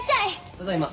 ただいま。